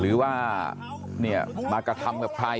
หรือว่ามากระทำกับใคร